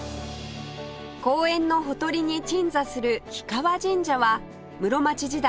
公園のほとりに鎮座する氷川神社は室町時代